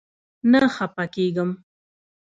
نه خپه کيږم